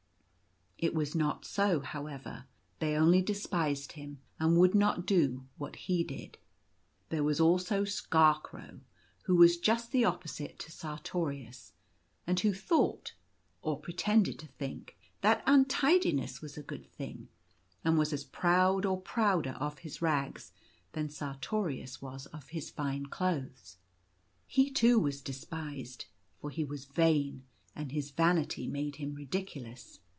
It was not so, how ever ; they only despised him and would not do what he did. There was also Skarkrou, who was just the opposite to Sartorius, and who thought — or pretended to think — that untidiness was a good thing; and was as proud or prouder of his rags than Sartorius was of his fine clothes. He too was despised, for he was vain, and his vanity made him ridiculous.